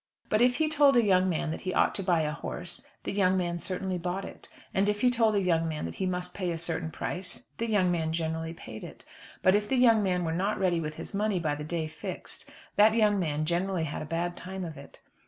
But if he told a young man that he ought to buy a horse the young man certainly bought it. And if he told a young man that he must pay a certain price, the young man generally paid it. But if the young man were not ready with his money by the day fixed, that young man generally had a bad time of it.